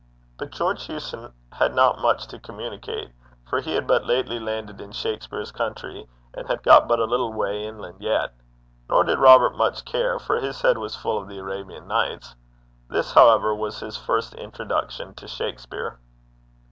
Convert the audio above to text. But George Hewson had not much to communicate, for he had but lately landed in Shakspere's country, and had got but a little way inland yet. Nor did Robert much care, for his head was full of The Arabian Nights. This, however, was his first introduction to Shakspere.